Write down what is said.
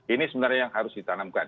ini sebenarnya yang harus ditanamkan